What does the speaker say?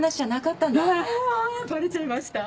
バレちゃいました？